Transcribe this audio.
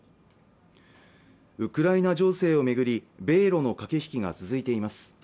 ウクライナ情勢をめぐり米ロの駆け引きが続いています